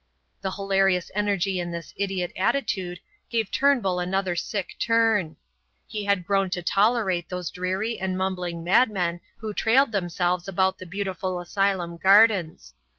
The hilarious energy in this idiot attitude gave Turnbull another sick turn. He had grown to tolerate those dreary and mumbling madmen who trailed themselves about the beautiful asylum gardens.